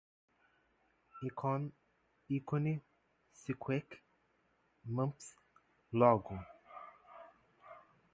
icon, ícone, sequeak, mumps, logo